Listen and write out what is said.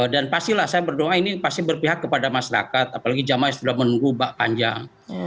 dan pastilah saya berdoa ini pasti berpihak kepada masyarakat apalagi jemaah yang sudah menunggu bak panjang